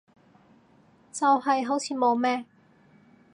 就係好似冇咩